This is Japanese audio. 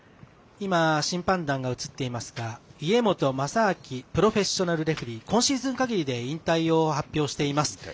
今、審判団が映っていますが家本政明プロフェッショナルレフェリー、今シーズンかぎりで引退を発表しています。